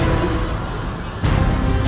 aku akan menangkapmu